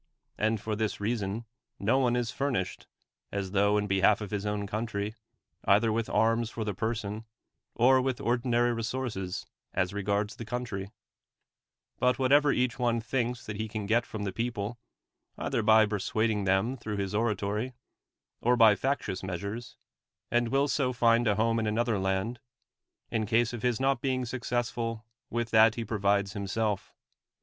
And for this reason no one is furnished, ns though in behalf of his ov.n coimtry, either with arms for the per son, or with ordinary resources, as regards the country; but whatever each one thinks that ht^ can get from the people, either by persuading them throuuh his oratory, or hy factious meas ures, and will so find a home in another land, h 43 THE WORLD'S FAMOUS ORATIONS case of his not being successful, with that he pro vides himself.